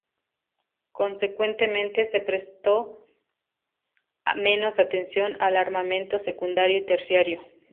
Consecuentemente, se prestó menos atención al armamento secundario y terciario.